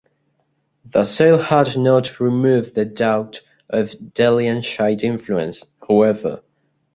The sale had not removed the doubt of Dalian Shide influence, however.